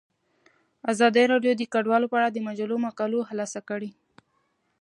ازادي راډیو د کډوال په اړه د مجلو مقالو خلاصه کړې.